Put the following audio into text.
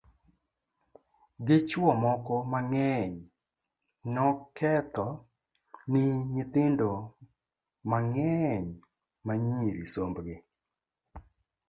gi chuwo moko mang'eny nokedho ni nyithindo mang'eny manyiri somb gi